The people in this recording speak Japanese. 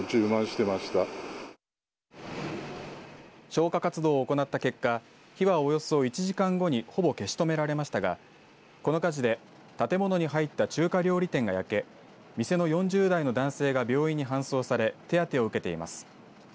消火活動を行った結果火はおよそ１時間後にほぼ消し止められましたがこの火事で、建物に入った中華料理店が焼け店の４０代の男性が病院に搬送され手当てを受けています。